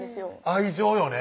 愛情よね